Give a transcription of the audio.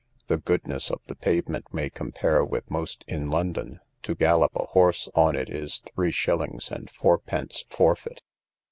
The goodness of the pavement may compare with most in London; to gallop a horse on it is three shillings and fourpence forfeit.